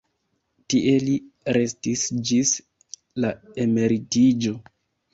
Tie li restis ĝis la emeritiĝo.